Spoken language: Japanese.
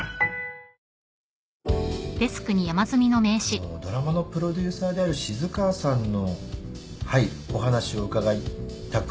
あのドラマのプロデューサーである静川さんのはいお話を伺いたく。